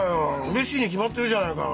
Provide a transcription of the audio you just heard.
うれしいに決まってるじゃないか。